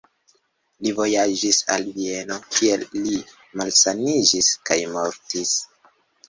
Li vojaĝis al Vieno, kie li malsaniĝis kaj mortis.